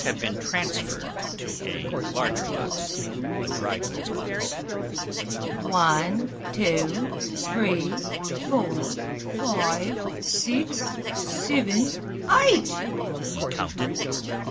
The pigs had been transferred to a larger box a dry goods box. "Wan, two, t'ree, four, five, six, sivin, eight!" he counted.